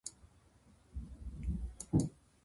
博多ラーメンが食べたい